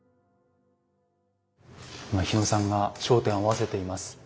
今日野さんが焦点合わせています。